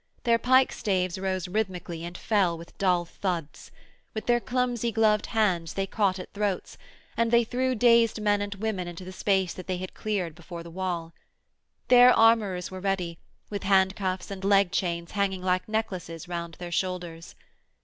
Their pike staves rose rhythmically and fell with dull thuds; with their clumsy gloved hands they caught at throats, and they threw dazed men and women into the space that they had cleared before the wall. There armourers were ready, with handcuffs and leg chains hanging like necklaces round their shoulders.